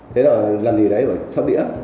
thế rồi làm gì đấy bảo sóc đĩa